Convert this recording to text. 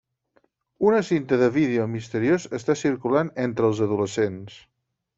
Una cinta de vídeo misteriós està circulant entre els adolescents.